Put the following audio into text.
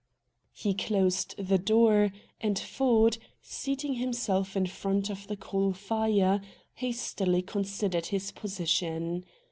He closed the door, and Ford, seating himself in front of the coal fire, hastily considered his position.